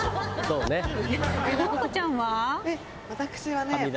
私はね